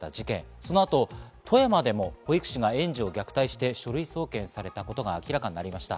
そのあと、富山でも保育士が園児を虐待して書類送検されたことが明らかになりました。